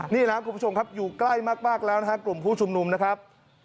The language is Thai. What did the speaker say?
นี่นะครับคุณผู้ชมครับอยู่ใกล้มากแล้วนะครับกลุ่มผู้ชุมนุมนะครับ